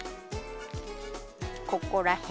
ここらへん。